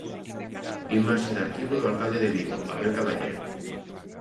Imaxe de arquivo do alcalde de Vigo, Abel Caballero.